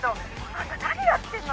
あんた何やってんのよ